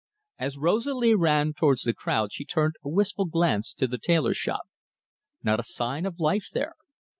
As Rosalie ran towards the crowd she turned a wistful glance to the tailor shop. Not a sign of life there!